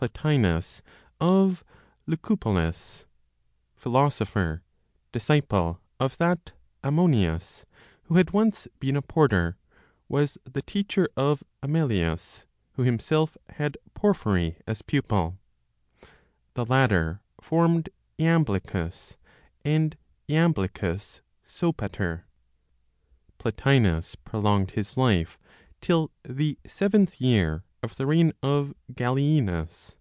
Plotinos of Lycopolis, philosopher, disciple of that Ammonius who had once been a porter, was the teacher of Amelius, who himself had Porphyry as pupil; the latter formed Jamblichus, and Jamblichus Sopater. Plotinos prolonged his life till the seventh year of the reign of Gallienus.